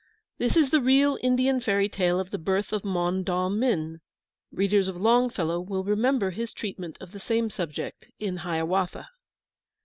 This is the real Indian fairy tale of the birth of Mon daw min. Readers of Longfellow will remember his treatment of the same subject in "Hiawatha."